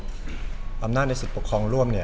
ก็คือทำไมผมถึงไปยื่นคำร้องต่อสารเนี่ย